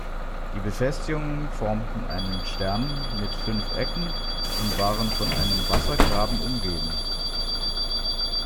Die Befestigungen formten eine Stern mit fünf Ecken und waren von einem Wassergraben umgeben.